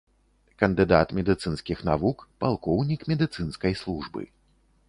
Кандыдат медыцынскіх навук, палкоўнік медыцынскай службы.